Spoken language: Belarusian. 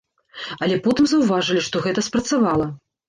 Але потым заўважылі, што гэта спрацавала.